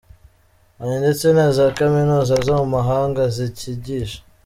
Hari ndetse na za Kaminuza zo mu mahanga zikigisha.